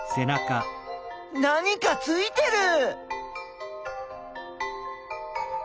何かついてる！